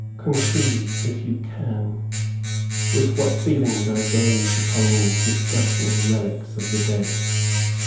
Conceive, if you can, with what feelings I gazed upon these disgusting relics of the dead.